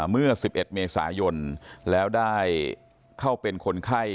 เมื่อ๑๑เมษายนแล้วได้เข้าเป็นคนไข้